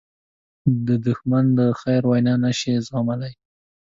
دښمن د خیر وینا نه شي زغملی